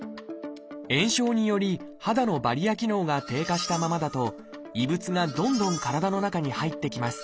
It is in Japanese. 炎症により肌のバリア機能が低下したままだと異物がどんどん体の中に入ってきます。